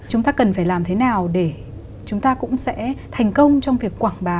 chúng ta cần phải làm thế nào để chúng ta cũng sẽ thành công trong việc quảng bá